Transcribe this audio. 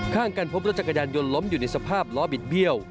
ข้างกันพบรถจักรยานยนต์ล้มอยู่ในสภาพล้อบิดเบี้ยว